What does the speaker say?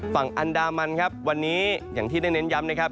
ฝั่งอันดามันครับวันนี้อย่างที่ได้เน้นย้ำนะครับ